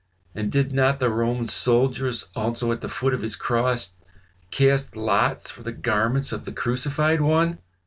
And did not the Roman soldiers also at the foot of his cross cast lots for the garments of the crucified one?"